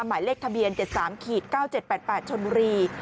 หมายเลขทะเบียน๗๓๙๗๘๘ชนบุรี